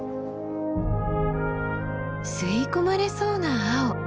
吸い込まれそうな青！